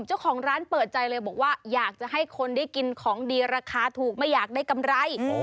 เจ้าของร้านเปิดใจเลยบอกว่าอยากจะให้คนได้กินของดีราคาถูกไม่อยากได้กำไร